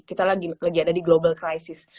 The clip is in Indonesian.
kita lagi ada di global crisis